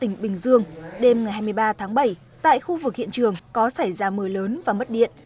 hôm hai mươi ba tháng bảy tại khu vực hiện trường có xảy ra mưa lớn và mất điện